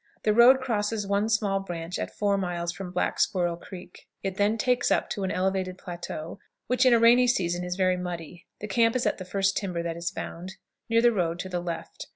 The road crosses one small branch at four miles from Black Squirrel Creek; it then takes up to an elevated plateau, which in a rainy season is very muddy. The camp is at the first timber that is found, near the road, to the left.